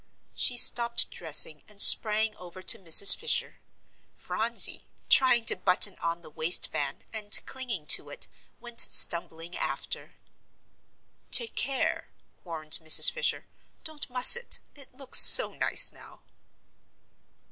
She stopped dressing, and sprang over to Mrs. Fisher. Phronsie, trying to button on the waistband, and clinging to it, went stumbling after. "Take care," warned Mrs. Fisher, "don't muss it; it looks so nice now."